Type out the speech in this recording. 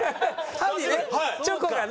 歯にねチョコがね。